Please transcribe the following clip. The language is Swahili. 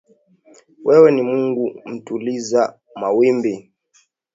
Wewe ni Mungu mtuliza mawimbi